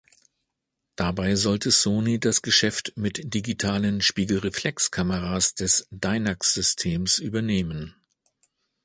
Dabei sollte Sony das Geschäft mit digitalen Spiegelreflexkameras des Dynax-Systems übernehmen.